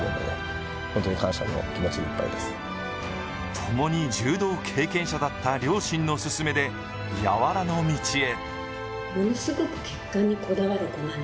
ともに柔道経験者だった両親のすすめで、柔らの道へ。